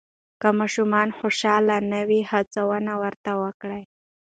که ماشوم خوشحاله نه وي، هڅونه ورته وکړئ.